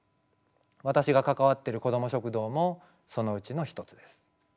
私が関わっているこども食堂もそのうちの一つです。